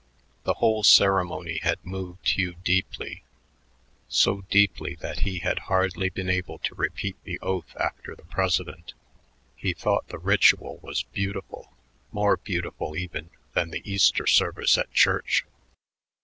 The whole ceremony had moved Hugh deeply, so deeply that he had hardly been able to repeat the oath after the president. He thought the ritual very beautiful, more beautiful even than the Easter service at church.